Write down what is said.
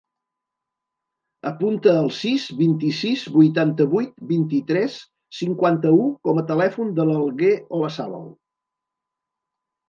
Apunta el sis, vint-i-sis, vuitanta-vuit, vint-i-tres, cinquanta-u com a telèfon de l'Alguer Olazabal.